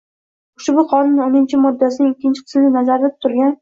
ushbu Qonun o'ninchi moddasining ikkinchi qismida nazarda tutilgan